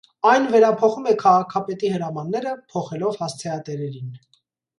Այն վերափոխում է քաղաքապետի հրամանները՝ փոխելով հասցեատերերին։